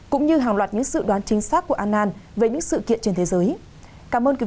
cũng như hàng loạt những sự đoán chính xác của anan về những sự kiện trên thế giới